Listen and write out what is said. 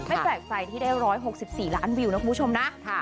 แปลกใจที่ได้๑๖๔ล้านวิวนะคุณผู้ชมนะ